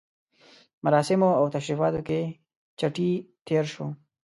مراسمو او تشریفاتو کې چټي تېر شو.